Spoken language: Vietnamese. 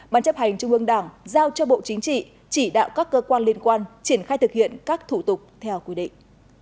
ban chấp hành trung ương đảng giao cho bộ chính trị chỉ đạo các cơ quan liên quan triển khai thực hiện các thủ tục theo quy định